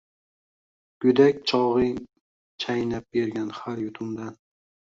Gudak choging chaynab bergan har yutumdan